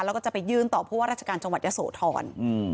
แล้วก็จะไปยืนต่อพวกราชการจังหวัดยศโทรณ